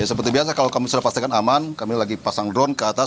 seperti biasa kalau kami sudah pastikan aman kami lagi pasang drone ke atas